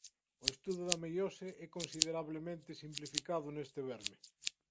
O estudo da meiose é considerablemente simplificado neste verme.